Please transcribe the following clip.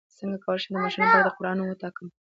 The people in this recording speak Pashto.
څنګه کولی شم د ماشوم لپاره د قران نوم وټاکم